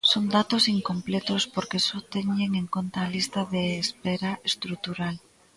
Son datos incompletos porque só teñen en conta a lista de espera estrutural.